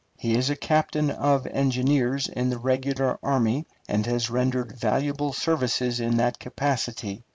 He is a captain of engineers in the regular army, and has rendered valuable services in that capacity.